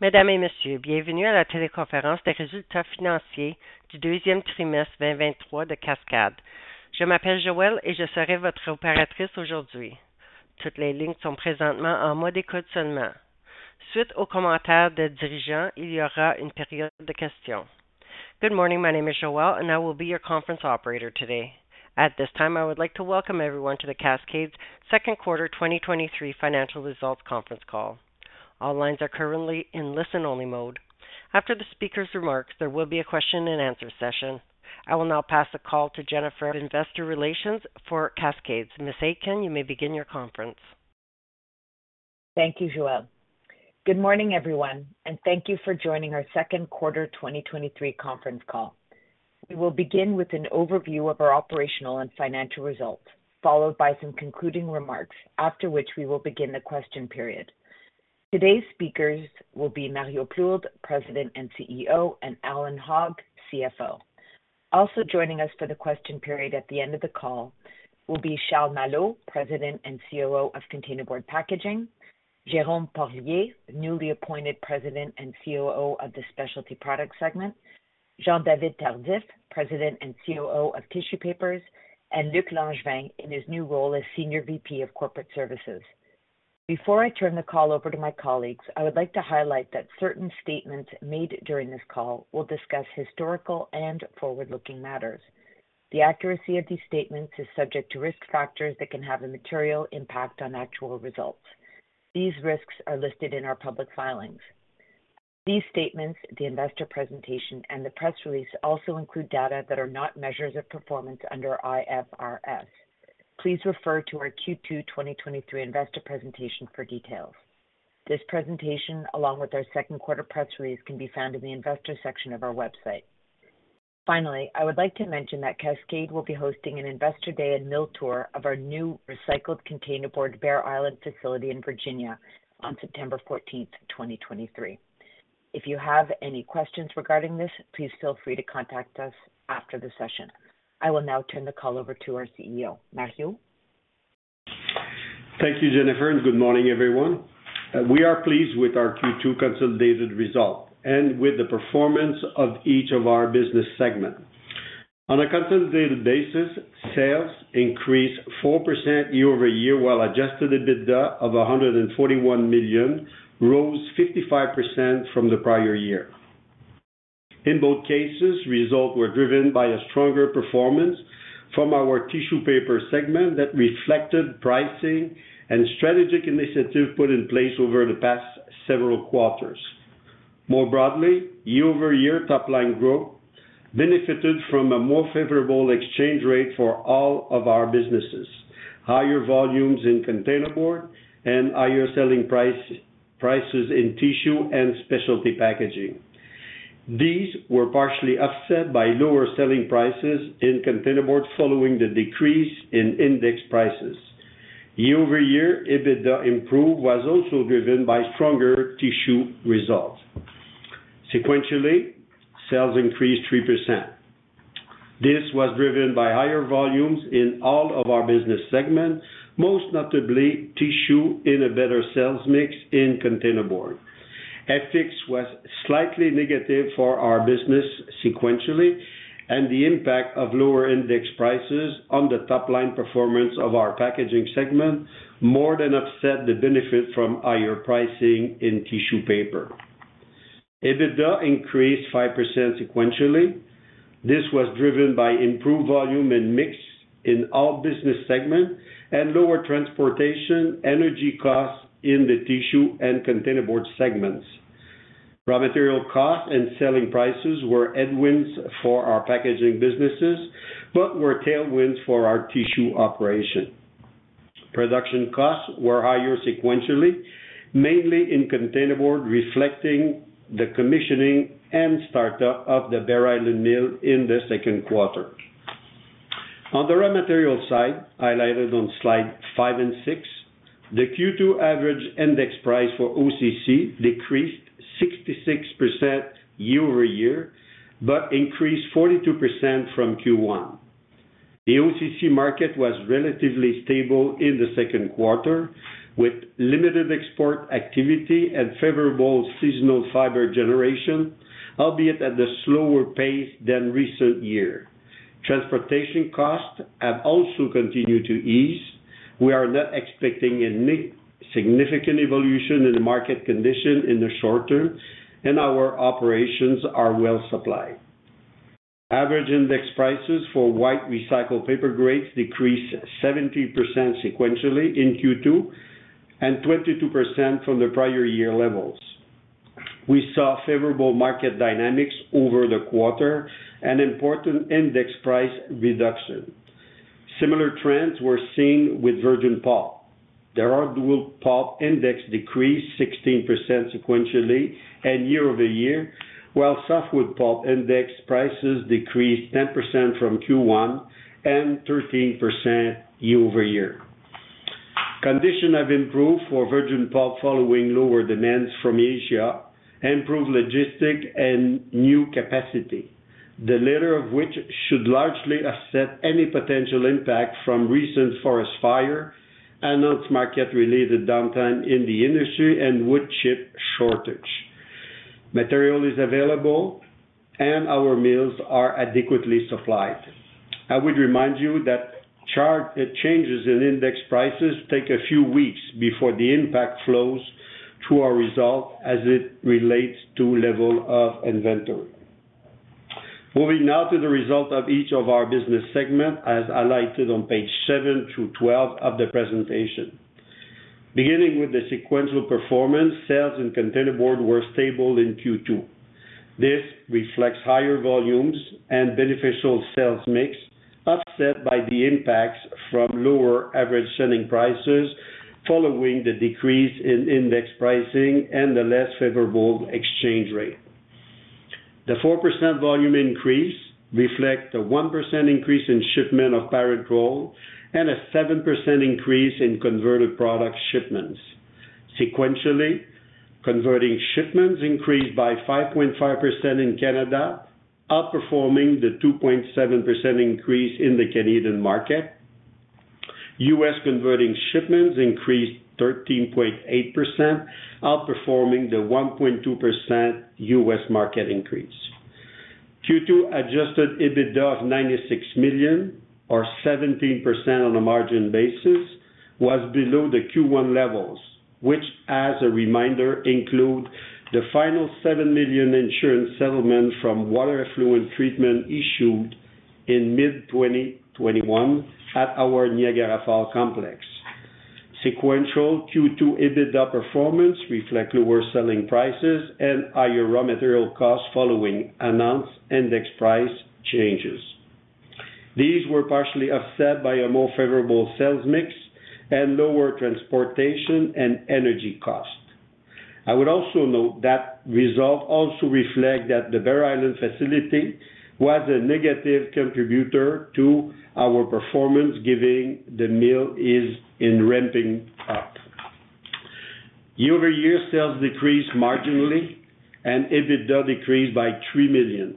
Madam and monsieur, bienvenue à la téléconférence des résultats financiers du deuxième trimestre 2023 de Cascades. Je m'appelle Joëlle et je serai votre opératrice aujourd'hui. Toutes les lignes sont présentement en mode écoute seulement. Suite aux commentaires des dirigeants, il y aura une période de questions. Good morning. My name is Joëlle, and I will be your conference operator today. At this time, I would like to welcome everyone to the Cascades second quarter 2023 financial results conference call. All lines are currently in listen-only mode. After the speaker's remarks, there will be a question and answer session. I will now pass the call to Jennifer, investor relations for Cascades. Ms. Aitken, you may begin your conference. Thank you, Joëlle. Good morning, everyone. Thank you for joining our second quarter 2023 conference call. We will begin with an overview of our operational and financial results, followed by some concluding remarks, after which we will begin the question period. Today's speakers will be Mario Plourde, President and CEO, and Allan Hogg, CFO. Also joining us for the question period at the end of the call will be Charles Malo, President and COO of Containerboard Packaging, Jérôme Porlier, the newly appointed President and COO of the Specialty Products segment, Jean-David Tardif, President and COO of Tissue Papers, and Luc Langevin, in his new role as Senior VP of Corporate Services. Before I turn the call over to my colleagues, I would like to highlight that certain statements made during this call will discuss historical and forward-looking matters. The accuracy of these statements is subject to risk factors that can have a material impact on actual results. These risks are listed in our public filings. These statements, the investor presentation, and the press release also include data that are not measures of performance under IFRS. Please refer to our Q2 2023 investor presentation for details. This presentation, along with our second quarter press release, can be found in the investor section of our website. Finally, I would like to mention that Cascades will be hosting an Investor Day and Mill tour of our new recycled containerboard, Bear Island facility in Virginia on September 14th, 2023. If you have any questions regarding this, please feel free to contact us after the session. I will now turn the call over to our CEO. Mario? Thank you, Jennifer, and good morning, everyone. We are pleased with our Q2 consolidated result and with the performance of each of our business segments. On a consolidated basis, sales increased 4% year-over-year, while adjusted EBITDA of $141 million rose 55% from the prior year. In both cases, results were driven by a stronger performance from our Tissue Papers segment that reflected pricing and strategic initiatives put in place over the past several quarters. More broadly, year-over-year top-line growth benefited from a more favorable exchange rate for all of our businesses, higher volumes in containerboard, and higher selling price, prices in tissue and specialty packaging. These were partially offset by lower selling prices in containerboard, following the decrease in index prices. Year-over-year, EBITDA improve was also driven by stronger tissue results. Sequentially, sales increased 3%. This was driven by higher volumes in all of our business segments, most notably tissue in a better sales mix in containerboard. FX was slightly negative for our business sequentially, the impact of lower index prices on the top-line performance of our packaging segment more than offset the benefit from higher pricing in tissue paper. EBITDA increased 5% sequentially. This was driven by improved volume and mix in all business segments and lower transportation, energy costs in the tissue and containerboard segments. Raw material costs and selling prices were headwinds for our packaging businesses, but were tailwinds for our tissue operation. Production costs were higher sequentially, mainly in containerboard, reflecting the commissioning and startup of the Bear Island mill in the second quarter. On the raw material side, highlighted on slide 5 and 6, the Q2 average index price for OCC decreased 66% year-over-year, increased 42% from Q1. The OCC market was relatively stable in the second quarter, with limited export activity and favorable seasonal fiber generation, albeit at a slower pace than recent year. Transportation costs have also continued to ease. We are not expecting any significant evolution in the market condition in the short term, our operations are well supplied. Average index prices for white recycled paper grades decreased 70% sequentially in Q2, 22% from the prior year levels. We saw favorable market dynamics over the quarter, important index price reduction. Similar trends were seen with virgin pulp. The hardwood pulp index decreased 16% sequentially and year-over-year, while softwood pulp index prices decreased 10% from Q1 and 13% year-over-year. Conditions have improved for virgin pulp following lower demands from Asia, improved logistics and new capacity, the latter of which should largely offset any potential impact from recent forest fire and announced market-related downtime in the industry and wood chip shortage. Material is available, and our mills are adequately supplied. I would remind you that chart, changes in index prices take a few weeks before the impact flows to our result as it relates to level of inventory. Moving now to the result of each of our business segment, as highlighted on page 7-12 of the presentation. Beginning with the sequential performance, sales and containerboard were stable in Q2. This reflects higher volumes and beneficial sales mix, offset by the impacts from lower average selling prices following the decrease in index pricing and the less favorable exchange rate. The 4% volume increase reflect a 1% increase in shipment of parent roll, and a 7% increase in converted product shipments. Sequentially, converting shipments increased by 5.5% in Canada, outperforming the 2.7% increase in the Canadian market. U.S. converting shipments increased 13.8%, outperforming the 1.2% U.S. market increase. Q2 adjusted EBITDA of $96 million, or 17% on a margin basis, was below the Q1 levels, which, as a reminder, include the final $7 million insurance settlement from water effluent treatment issued in mid-2021 at our Niagara Falls complex. Sequential Q2 EBITDA performance reflect lower selling prices and higher raw material costs following announced index price changes. These were partially offset by a more favorable sales mix and lower transportation and energy costs. I would also note that result also reflect that the Bear Island facility was a negative contributor to our performance, giving the mill is in ramping up. Year-over-year sales decreased marginally, and EBITDA decreased by $3 million,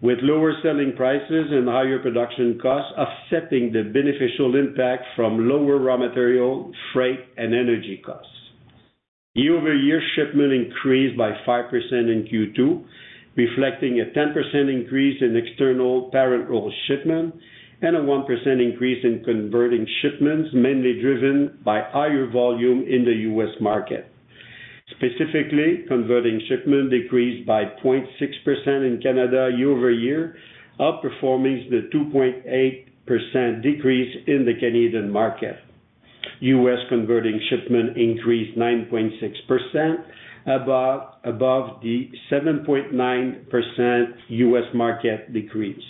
with lower selling prices and higher production costs offsetting the beneficial impact from lower raw material, freight, and energy costs. Year-over-year shipment increased by 5% in Q2, reflecting a 10% increase in external parent roll shipment and a 1% increase in converting shipments, mainly driven by higher volume in the US market. Specifically, converting shipment decreased by 0.6% in Canada year-over-year, outperforming the 2.8% decrease in the Canadian market. U.S. converting shipment increased 9.6%, above the 7.9% U.S. market decrease.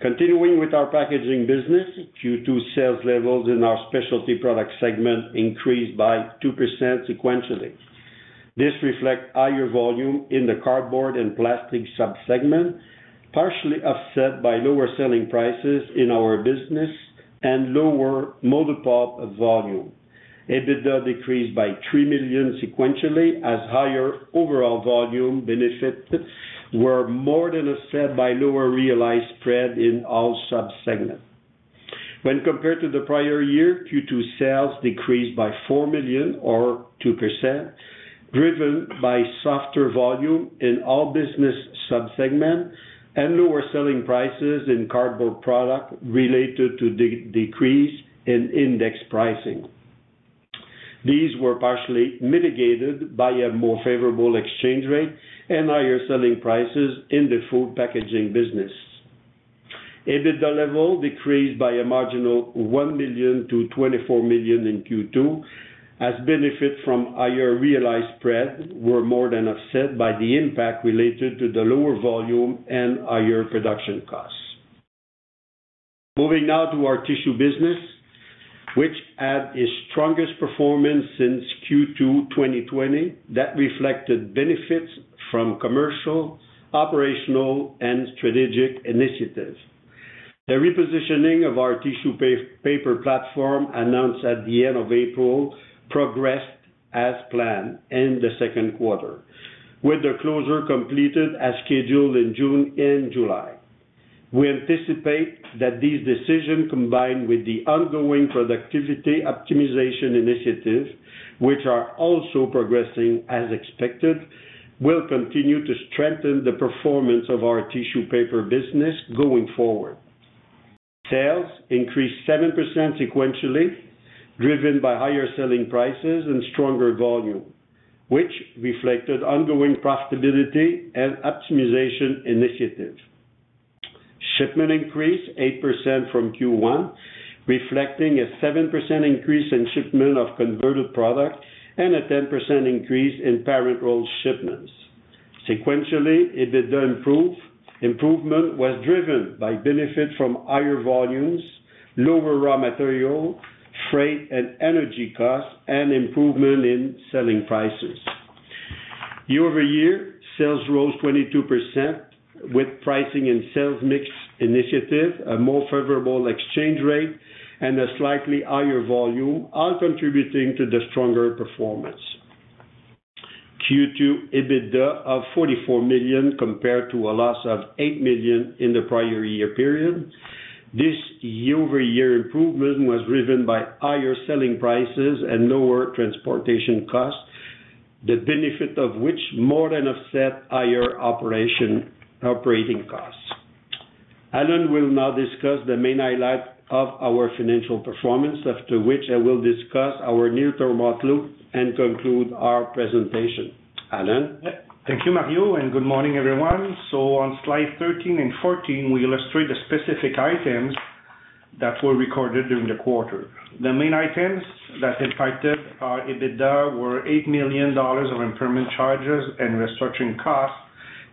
Continuing with our packaging business, Q2 sales levels in our Specialty Products segment increased by 2% sequentially. This reflect higher volume in the cardboard and plastic sub-segment, partially offset by lower selling prices in our business and lower molded pulp volume. EBITDA decreased by $3 million sequentially, as higher overall volume benefit were more than offset by lower realized spread in all sub-segments. When compared to the prior year, Q2 sales decreased by $4 million or 2%, driven by softer volume in all business sub-segments and lower selling prices in cardboard product related to decrease in index pricing. These were partially mitigated by a more favorable exchange rate and higher selling prices in the food packaging business. EBITDA level decreased by a marginal $1 million to $24 million in Q2, as benefit from higher realized spread were more than offset by the impact related to the lower volume and higher production costs. Moving now to our tissue business, which had its strongest performance since Q2 2020, that reflected benefits from commercial, operational, and strategic initiatives. The repositioning of our tissue paper platform, announced at the end of April, progressed as planned in the second quarter, with the closure completed as scheduled in June and July. We anticipate that this decision, combined with the ongoing productivity optimization initiative, which are also progressing as expected, will continue to strengthen the performance of our tissue paper business going forward. Sales increased 7% sequentially, driven by higher selling prices and stronger volume, which reflected ongoing profitability and optimization initiatives. Shipment increased 8% from Q1, reflecting a 7% increase in shipment of converted product and a 10% increase in parent roll shipments. Sequentially, EBITDA improved. Improvement was driven by benefit from higher volumes, lower raw material, freight, and energy costs, and improvement in selling prices. Year-over-year, sales rose 22% with pricing and sales mix initiative, a more favorable exchange rate, and a slightly higher volume, all contributing to the stronger performance. Q2 EBITDA of $44 million, compared to a loss of $8 million in the prior year period. This year-over-year improvement was driven by higher selling prices and lower transportation costs, the benefit of which more than offset higher operating costs. Allan will now discuss the main highlights of our financial performance, after which I will discuss our near-term outlook and conclude our presentation. Allan? Thank you, Mario. Good morning, everyone. On slide 13 and 14, we illustrate the specific items that were recorded during the quarter. The main items that impacted our EBITDA were $8 million of impairment charges and restructuring costs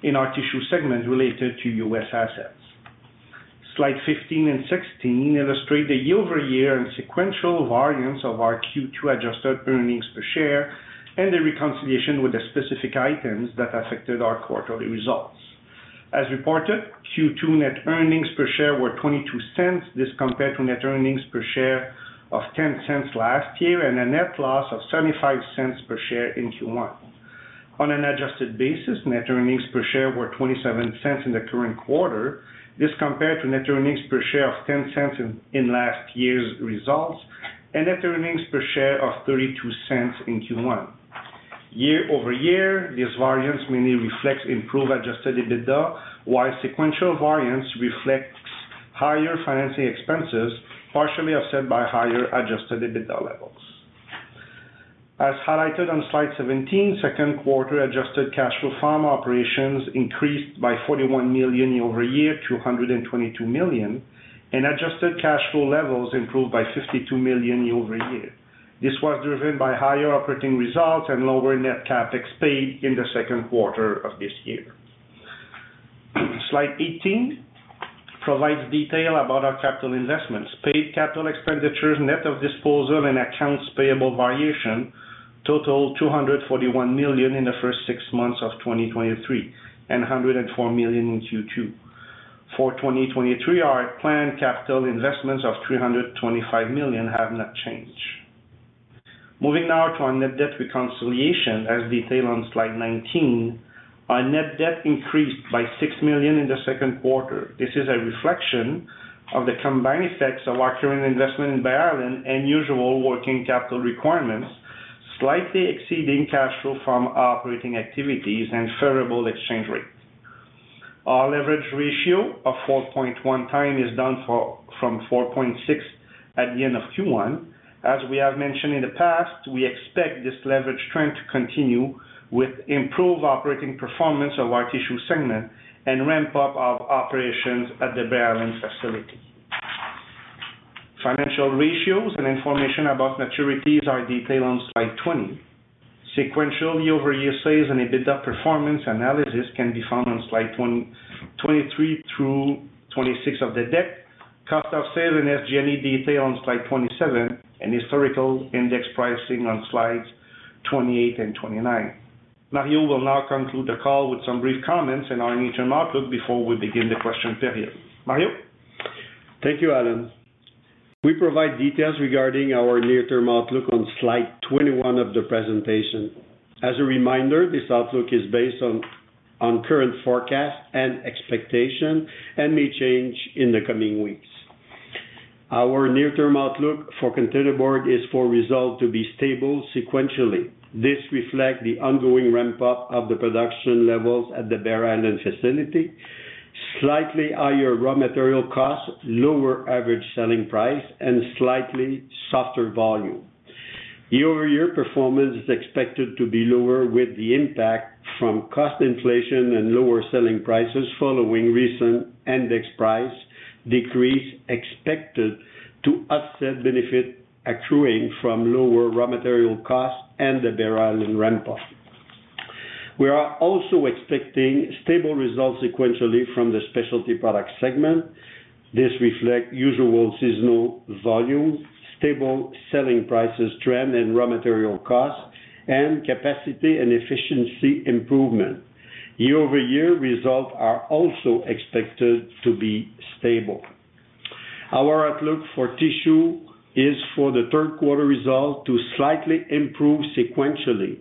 in our tissue segment related to U.S. assets. Slide 15 and 16 illustrate the year-over-year and sequential variance of our Q2 adjusted earnings per share, and the reconciliation with the specific items that affected our quarterly results. As reported, Q2 net earnings per share were $0.22. This compared to net earnings per share of $0.10 last year, and a net loss of $0.75 per share in Q1. On an adjusted basis, net earnings per share were $0.27 in the current quarter. This compared to net earnings per share of $0.10 in last year's results, and net earnings per share of $0.32 in Q1. Year-over-year, this variance mainly reflects improved adjusted EBITDA, while sequential variance reflects higher financing expenses, partially offset by higher adjusted EBITDA levels. As highlighted on slide 17, second quarter adjusted cash flow from operations increased by $41 million year-over-year to $122 million, and adjusted cash flow levels improved by $52 million year-over-year. This was driven by higher operating results and lower net CapEx paid in the second quarter of this year. Slide 18 provides detail about our capital investments. Paid capital expenditures, net of disposal and accounts payable variation, totaled $241 million in the first six months of 2023, and $104 million in Q2. For 2023, our planned capital investments of $325 million have not changed. Moving now to our net debt reconciliation, as detailed on slide 19. Our net debt increased by $6 million in the second quarter. This is a reflection of the combined effects of our current investment in Bear Island and usual working capital requirements, slightly exceeding cash flow from operating activities and favorable exchange rates. Our leverage ratio of 4.1x is down from 4.6 at the end of Q1. As we have mentioned in the past, we expect this leverage trend to continue with improved operating performance of our tissue segment and ramp up of operations at the Bear Island facility. Financial ratios and information about maturities are detailed on slide 20. Sequentially over year sales and EBITDA performance analysis can be found on slide 20, 23-26 of the deck. Cost of sales and SG&A detail on slide 27. Historical index pricing on slides 28 and 29. Mario will now conclude the call with some brief comments on our near-term outlook before we begin the question period. Mario? Thank you, Allan. We provide details regarding our near-term outlook on slide 21 of the presentation. As a reminder, this outlook is based on current forecasts and expectation and may change in the coming weeks. Our near-term outlook for Containerboard is for results to be stable sequentially. This reflects the ongoing ramp-up of the production levels at the Bear Island facility, slightly higher raw material costs, lower average selling price, and slightly softer volume. Year-over-year performance is expected to be lower, with the impact from cost inflation and lower selling prices following recent index price decrees expected to offset benefit accruing from lower raw material costs and the Bear Island ramp-up. We are also expecting stable results sequentially from the Specialty Products segment. This reflects usual seasonal volume, stable selling prices, trend and raw material costs, and capacity and efficiency improvement. Year-over-year results are also expected to be stable. Our outlook for tissue is for the third quarter result to slightly improve sequentially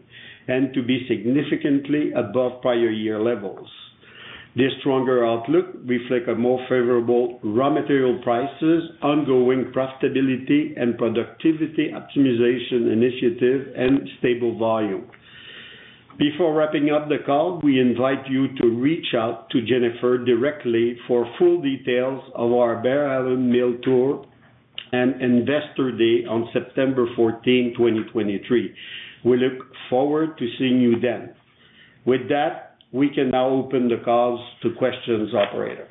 and to be significantly above prior year levels. This stronger outlook reflect a more favorable raw material prices, ongoing profitability and productivity optimization initiative, and stable volume. Before wrapping up the call, we invite you to reach out to Jennifer directly for full details of our Bear Island Mill tour and Investor Day on September 14th, 2023. We look forward to seeing you then. With that, we can now open the calls to questions. Operator?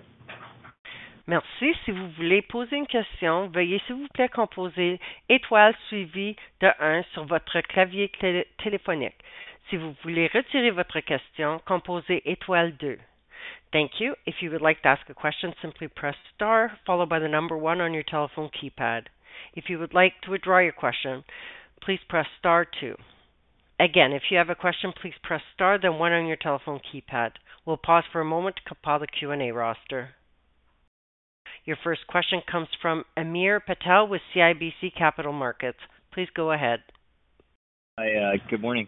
Merci. Si vous voulez poser une question, veuillez s'il vous plaît composer étoile suivi de 1 sur votre clavier téléphonique. Si vous voulez retirer votre question, composez étoile 2. Thank you. If you would like to ask a question, simply press star, followed by the number one on your telephone keypad. If you would like to withdraw your question, please press star two. Again, if you have a question, please press star, then one on your telephone keypad. We'll pause for a moment to compile the Q&A roster. Your first question comes from Hamir Patel with CIBC Capital Markets. Please go ahead. Hi, good morning.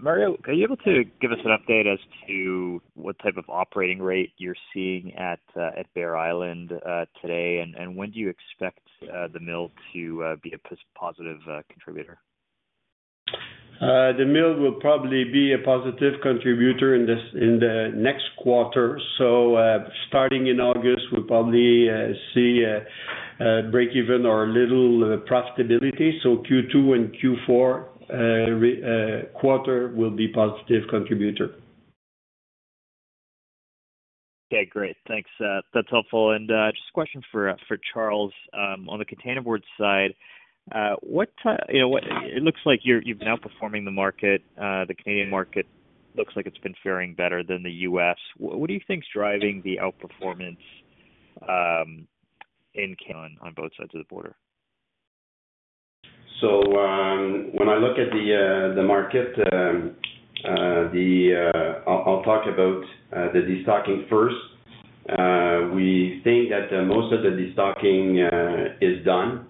Mario, are you able to give us an update as to what type of operating rate you're seeing at Bear Island today? When do you expect the mill to be a positive contributor? The mill will probably be a positive contributor in this, in the next quarter. Starting in August, we'll probably see a break even or little profitability. Q2 and Q4 quarter will be positive contributor. Okay, great. Thanks. That's helpful. Just a question for Charles. On the containerboard side, you know what? It looks like you're, you've been outperforming the market. The Canadian market looks like it's been fairing better than the U.S. What do you think is driving the outperformance, in Canada on both sides of the border? When I look at the market, I'll talk about the destocking first. We think that most of the destocking is done.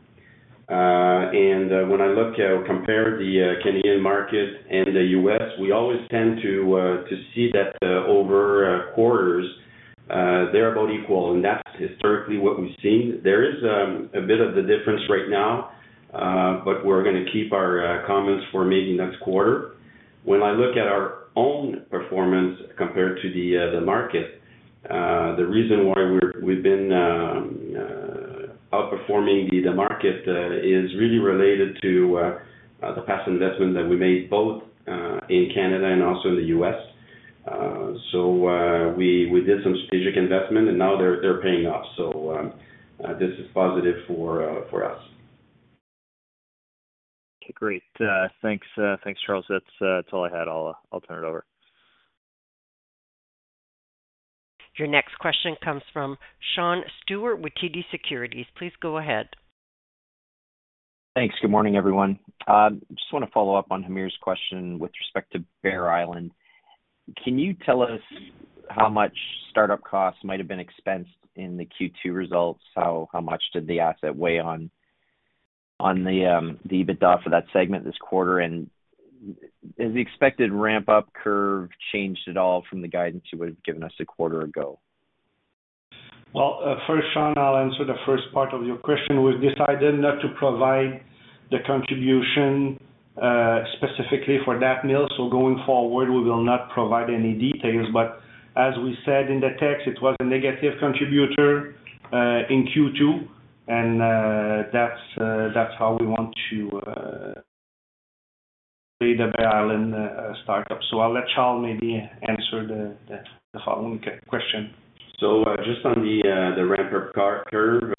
When I look at or compare the Canadian market and the U.S., we always tend to see that over quarters, they're about equal, and that's historically what we've seen. There is a bit of a difference right now, but we're gonna keep our comments for maybe next quarter. When I look at our own performance compared to the market, the reason why we're, we've been outperforming the market is really related to the past investment that we made, both in Canada and also in the U.S. We, we did some strategic investment, and now they're, they're paying off. This is positive for us. Okay, great. Thanks, thanks, Charles. That's, that's all I had. I'll turn it over. Your next question comes from Sean Steuart with TD Securities. Please go ahead. Thanks. Good morning, everyone. Just wanna follow up on Hamir's question with respect to Bear Island. Can you tell us how much start-up costs might have been expensed in the Q2 results? How, how much did the asset weigh on, on the, the EBITDA for that segment this quarter? Has the expected ramp-up curve changed at all from the guidance you would have given us a quarter ago? Well, first, Sean, I'll answer the first part of your question. We've decided not to provide the contribution specifically for that mill. Going forward, we will not provide any details. As we said in the text, it was a negative contributor in Q2, and that's how we want to see the Bear Island start-up. I'll let Charles maybe answer the following question. Just on the ramp-up curve,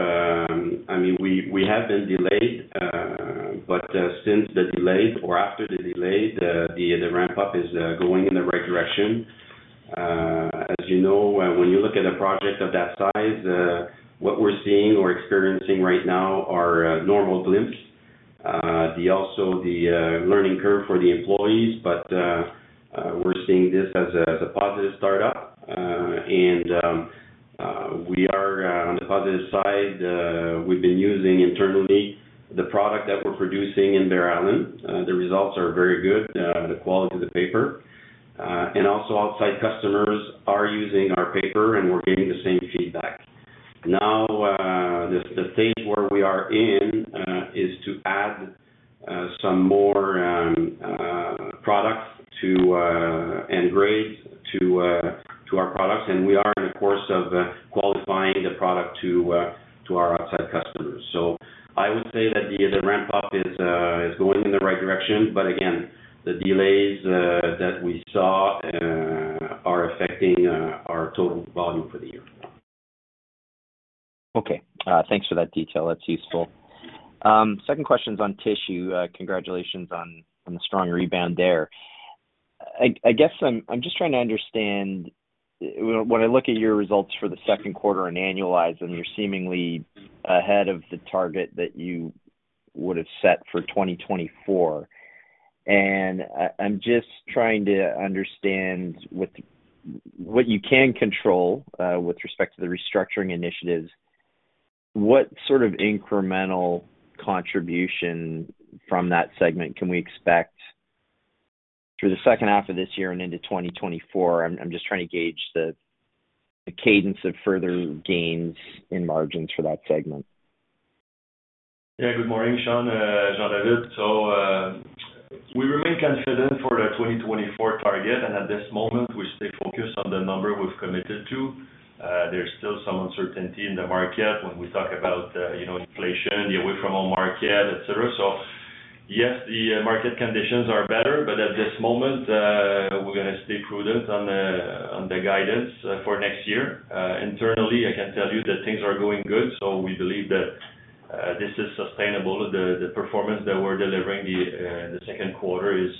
I mean, we, we have been delayed, but since the delay or after the delay, the ramp-up is going in the right direction. As you know, when you look at a project of that size, what we're seeing or experiencing right now are normal glimpse. The, also the learning curve for the employees, but we're seeing this as a positive start-up. And we are on the positive side, we've been using internally the product that we're producing in Bear Island. The results are very good, the quality of the paper. And also outside customers are using our paper, and we're getting the same feedback. The stage where we are in is to add some more products to and grade to our products, and we are in the course of qualifying the product to our outside customers. I would say that the ramp-up is going in the right direction, but again, the delays that we saw are affecting our total volume for the year. Okay. Thanks for that detail. That's useful. Second question is on tissue. Congratulations on, on the strong rebound there. I, I guess I'm, I'm just trying to understand, when I look at your results for the second quarter and annualize them, you're seemingly ahead of the target that you would have set for 2024. I, I'm just trying to understand what you can control, with respect to the restructuring initiatives, what sort of incremental contribution from that segment can we expect through the second half of this year and into 2024? I'm, I'm just trying to gauge the, the cadence of further gains in margins for that segment. Yeah. Good morning, Sean, Jean-David. We remain confident for the 2024 target, and at this moment, we stay focused on the number we've committed to. There's still some uncertainty in the market when we talk about, you know, inflation, the away-from-home market, et cetera. Yes, the market conditions are better, but at this moment, we're gonna stay prudent on the guidance for next year. Internally, I can tell you that things are going good, we believe that this is sustainable. The performance that we're delivering the second quarter is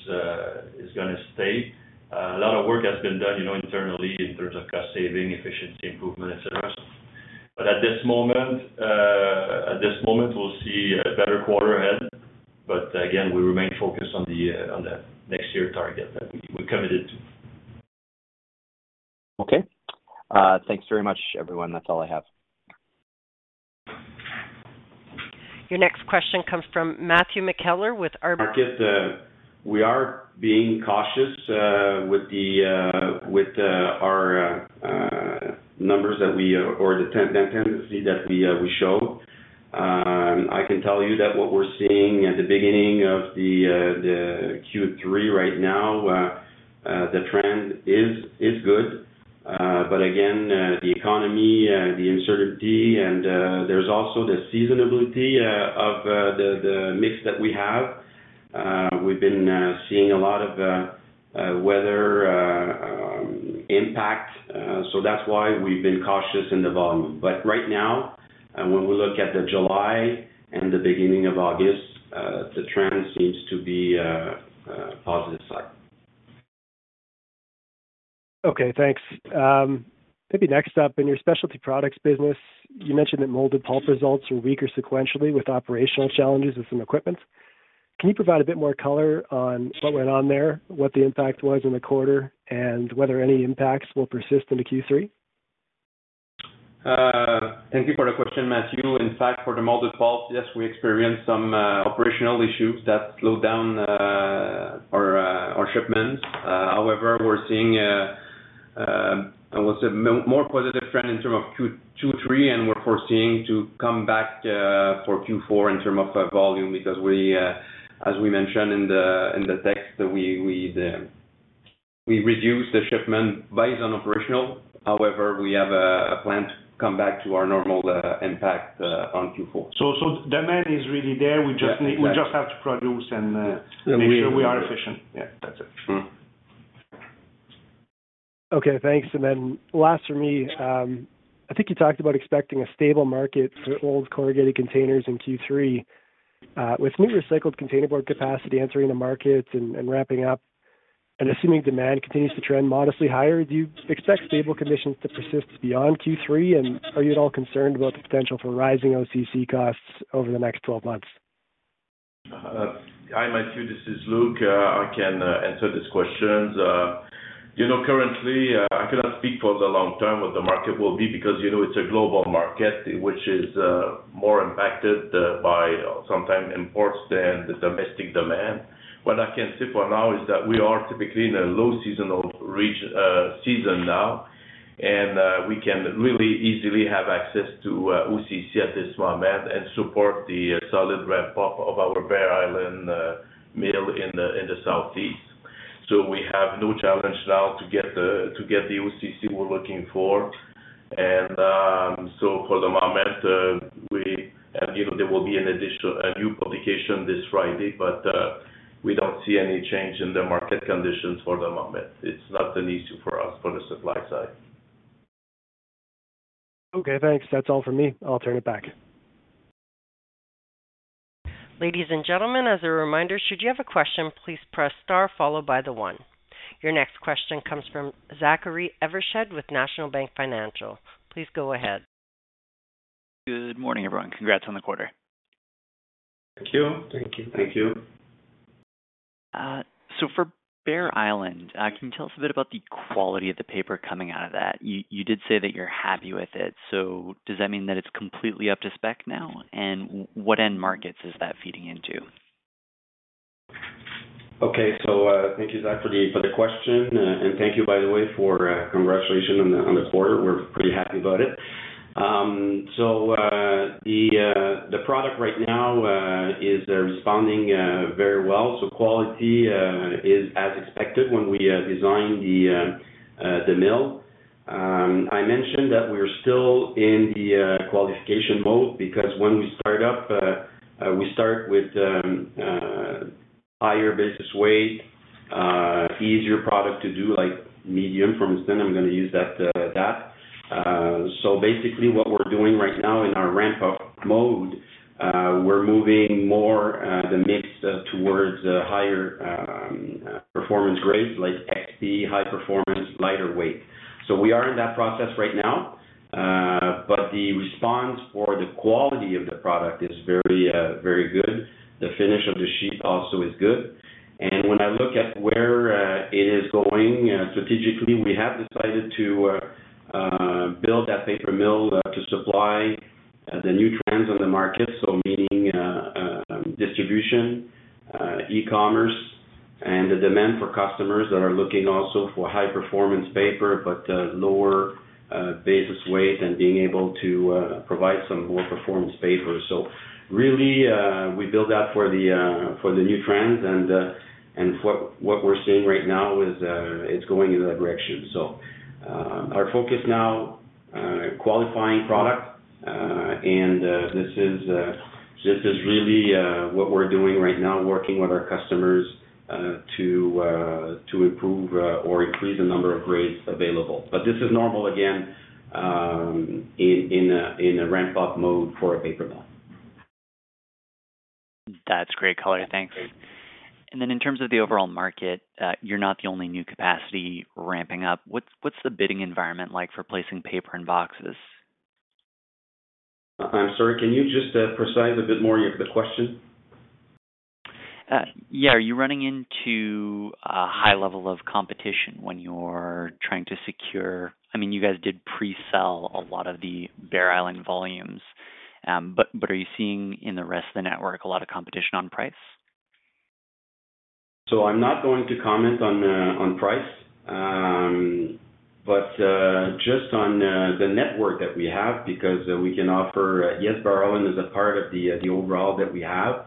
gonna stay. A lot of work has been done, you know, internally in terms of cost saving, efficiency improvement, et cetera. At this moment, at this moment, we'll see a better quarter ahead, but again, we remain focused on the, on the next year target that we, we committed to. Okay. Thanks very much, everyone. That's all I have. Your next question comes from Matthew McKellar with Arbor- Mark, we are being cautious with the with our numbers that we or the tendency that we show. I can tell you that what we're seeing at the beginning of the Q3 right now, the trend is, is good. Again, the economy, the uncertainty, and there's also the seasonality of the, the mix that we have. We've been seeing a lot of weather impact, so that's why we've been cautious in the volume. Right now, when we look at July and the beginning of August, the trend seems to be positive side. Okay, thanks. Maybe next up, in your Specialty Products business, you mentioned that molded pulp results are weaker sequentially with operational challenges and some equipment. Can you provide a bit more color on what went on there, what the impact was in the quarter, and whether any impacts will persist into Q3? Thank you for the question, Matthew. In fact, for the molded pulp, yes, we experienced some operational issues that slowed down our shipments. However, we're seeing, I would say, more positive trend in term of Q3, and we're foreseeing to come back for Q4 in term of volume, because we, as we mentioned in the text, we reduced the shipment based on operational. However, we have a plan to come back to our normal impact on Q4. Demand is really there. Yeah, exactly. We just, we just have to produce and, And we- make sure we are efficient. Yeah, that's it. Mm-hmm. Okay, thanks. Then last for me, I think you talked about expecting a stable market for old corrugated containers in Q3. With new recycled containerboard capacity entering the market and wrapping up, and assuming demand continues to trend modestly higher, do you expect stable conditions to persist beyond Q3? Are you at all concerned about the potential for rising OCC costs over the next 12 months? Hi, Matthew, this is Luc. I can answer this questions. You know, currently, I cannot speak for the long term, what the market will be, because, you know, it's a global market, which is more impacted by sometimes imports than the domestic demand. What I can say for now is that we are typically in a low seasonal season now, and we can really easily have access to OCC at this moment and support the solid ramp up of our Bear Island mill in the Southeast. We have no challenge now to get the, to get the OCC we're looking for. For the moment, we. You know, there will be an additional, a new publication this Friday, but we don't see any change in the market conditions for the moment. It's not an issue for us for the supply side. Okay, thanks. That's all for me. I'll turn it back. Ladies and gentlemen, as a reminder, should you have a question, please press star followed by the one. Your next question comes from Zachary Evershed with National Bank Financial. Please go ahead. Good morning, everyone. Congrats on the quarter. Thank you. Thank you. Thank you. For Bear Island, can you tell us a bit about the quality of the paper coming out of that? You, you did say that you're happy with it, so does that mean that it's completely up to spec now? What end markets is that feeding into? Okay. Thank you, Zachary, for the question, and thank you, by the way, for congratulations on the quarter. We're pretty happy about it. The product right now is responding very well. Quality is as expected when we designed the mill. I mentioned that we're still in the qualification mode because when we start up, we start with higher basis weight, easier product to do, like medium. From then, I'm gonna use that. Basically, what we're doing right now in our ramp-up mode, we're moving more the mix towards higher performance grades, like XP, high performance, lighter weight. We are in that process right now. The response for the quality of the product is very, very good. The finish of the sheet also is good. When I look at where it is going, strategically, we have decided to build that paper mill to supply the new trends on the market. Meaning, distribution, e-commerce, and the demand for customers that are looking also for high-performance paper, but lower basis weight and being able to provide some more performance paper. Really, we build that for the new trends and what, what we're seeing right now is it's going in that direction. Our focus now, qualifying product, and this is, this is really, what we're doing right now, working with our customers, to, to improve, or increase the number of grades available. This is normal, again, in a ramp-up mode for a paper mill. That's great color. Thanks. Then in terms of the overall market, you're not the only new capacity ramping up. What's, what's the bidding environment like for placing paper and boxes? I'm sorry, can you just precise a bit more the question? Yeah. Are you running into a high level of competition when you're trying to secure. I mean, you guys did pre-sell a lot of the Bear Island volumes. Are you seeing, in the rest of the network, a lot of competition on price? I'm not going to comment on on price. Just on the network that we have, because we can offer, yes, Bear Island is a part of the overall that we have.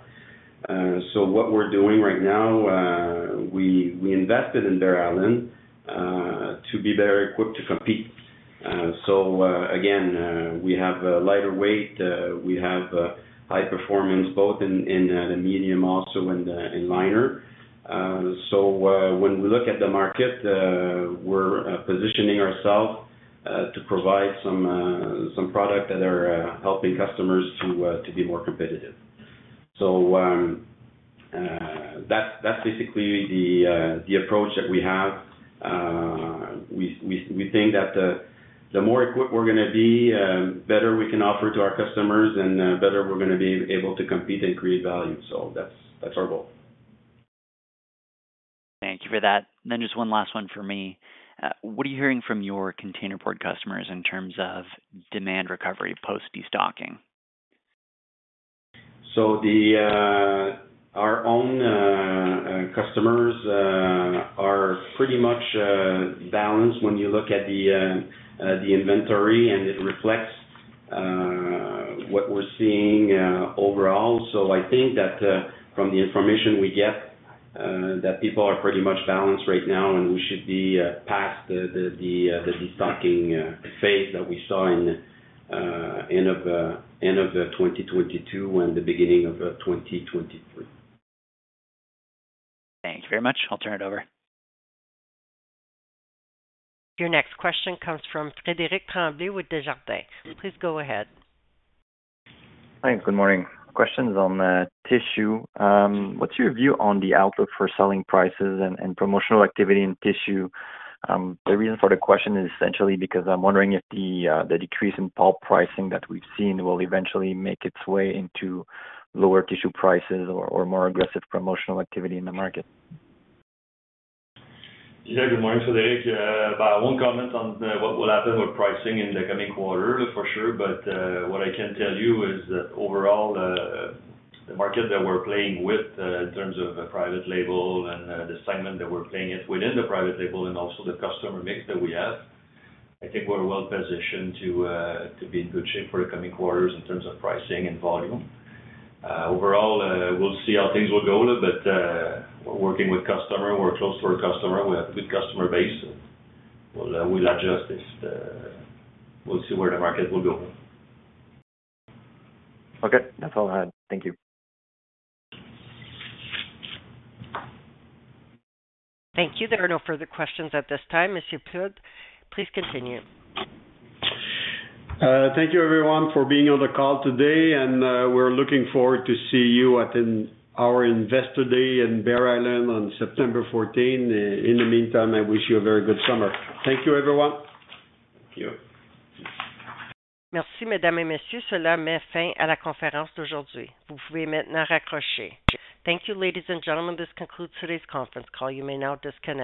What we're doing right now, we, we invested in Bear Island to be better equipped to compete. Again, we have a lighter weight, we have high performance both in in the medium, also in the in minor. When we look at the market, we're positioning ourselves to provide some product that are helping customers to be more competitive. That's, that's basically the approach that we have. We think that the more equipped we're gonna be, better we can offer to our customers and, better we're gonna be able to compete and create value. That's, that's our goal. Thank you for that. Just one last one for me. What are you hearing from your containerboard customers in terms of demand recovery post-destocking? The, our own, customers, are pretty much, balanced when you look at the inventory, and it reflects, what we're seeing, overall. I think that, from the information we get, that people are pretty much balanced right now, and we should be, past the destocking, phase that we saw in, end of 2022 and the beginning of 2023. Thank you very much. I'll turn it over. Your next question comes from Frederic Tremblay with Desjardins. Please go ahead. Thanks. Good morning. Questions on the tissue. What's your view on the outlook for selling prices and, and promotional activity in tissue? The reason for the question is essentially because I'm wondering if the decrease in pulp pricing that we've seen will eventually make its way into lower tissue prices or, or more aggressive promotional activity in the market. Yeah. Good morning, Frederic. I won't comment on what will happen with pricing in the coming quarter, for sure, but what I can tell you is that overall, the, the market that we're playing with, in terms of the private label and the segment that we're playing it within the private label and also the customer mix that we have, I think we're well positioned to be in good shape for the coming quarters in terms of pricing and volume. Overall, we'll see how things will go, but we're working with customer, we're close to our customer, we have a good customer base, and we'll adjust this. We'll see where the market will go. Okay. That's all I had. Thank you. Thank you. There are no further questions at this time. Monsieur Plourde, please continue. Thank you, everyone, for being on the call today, we're looking forward to see you at in our Investor Day in Bear Island on September 14th. In the meantime, I wish you a very good summer. Thank you, everyone. Thank you. Merci, mesdames et messieurs. Thank you, ladies and gentlemen, this concludes today's conference call. You may now disconnect.